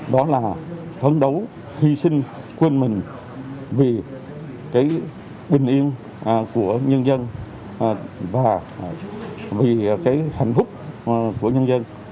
đó là phấn đấu hy sinh quên mình vì cái bình yên của nhân dân và vì cái hạnh phúc của nhân dân